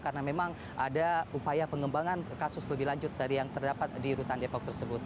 karena memang ada upaya pengembangan kasus lebih lanjut dari yang terdapat di rutan depok tersebut